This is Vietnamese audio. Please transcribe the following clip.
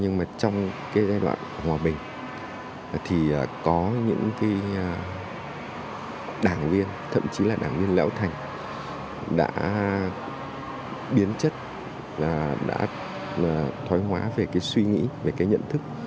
nhưng mà trong cái giai đoạn hòa bình thì có những cái đảng viên thậm chí là đảng viên lão thành đã biến chất là đã thoái hóa về cái suy nghĩ về cái nhận thức